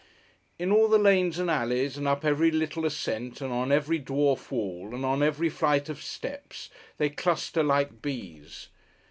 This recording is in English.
In all the lanes and alleys, and up every little ascent, and on every dwarf wall, and on every flight of steps, they cluster like bees.